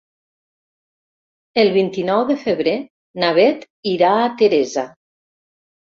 El vint-i-nou de febrer na Beth irà a Teresa.